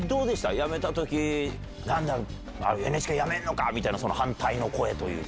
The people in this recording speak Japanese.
辞めたとき、ＮＨＫ辞めるのかみたいな反対の声というか。